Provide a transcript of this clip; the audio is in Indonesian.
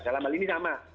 dalam hal ini sama